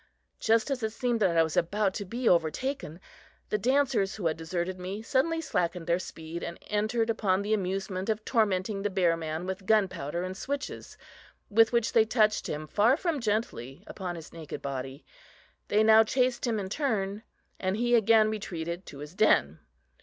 Just as it seemed that I was about to be overtaken, the dancers who had deserted me suddenly slackened their speed, and entered upon the amusement of tormenting the bear man with gunpowder and switches, with which they touched him far from gently upon his naked body. They now chased him in turn, and he again retreated to his den.